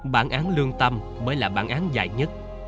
bản án lương tâm mới là bản án dài nhất